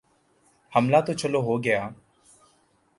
حملہ تو چلو ہو گیا۔